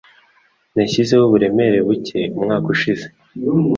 Nashyizeho uburemere buke umwaka ushize.